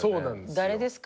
誰ですか？